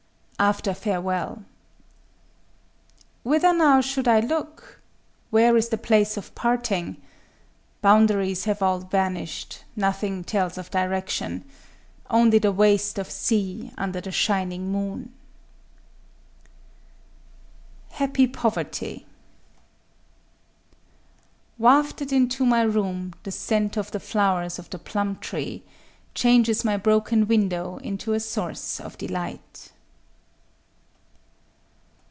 _ AFTER FAREWELL _Whither now should! look?—where is the place of parting? Boundaries all have vanished;—nothing tells of direction: Only the waste of sea under the shining moon!_ HAPPY POVERTY _Wafted into my room, the scent of the flowers of the plum tree Changes my broken window into a source of delight.